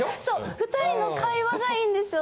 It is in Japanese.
２人の会話がいいんですよ。